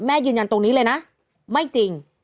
ยืนยันตรงนี้เลยนะไม่จริง